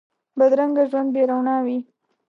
بدرنګه ژوند بې روڼا وي